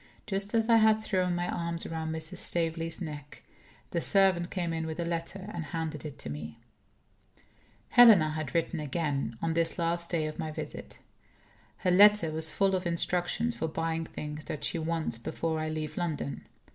Just as I had thrown my arms round Mrs. Staveley's neck, the servant came in with a letter, and handed it to me. Helena had written again, on this last day of my visit. Her letter was full of instructions for buying things that she wants, before I leave London.